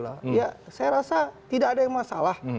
saya rasa tidak ada yang masalah